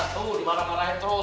tuh dimakan marahin terus